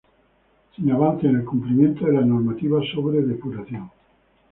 Sin avances en el cumplimiento de la normativa sobre depuración